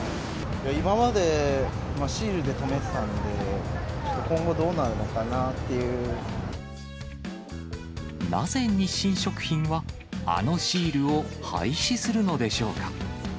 今までシールで止めてたんで、なぜ日清食品は、あのシールを廃止するのでしょうか。